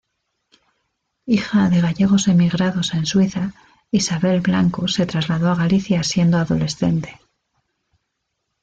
Hija de gallegos emigrados en Suiza, Isabel Blanco se trasladó a Galicia siendo adolescente.